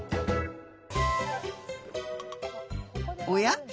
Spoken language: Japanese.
おや？